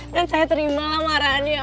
dan saya terima lamarannya